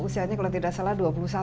usianya kalau tidak salah dua puluh satu